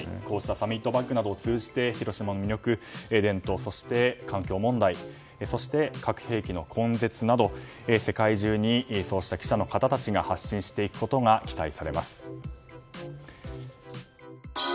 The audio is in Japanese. サミットバッグなどを通じて広島の魅力、伝統、環境問題そして、核兵器の根絶など世界中に記者の方たちが発信していくことが期待されます。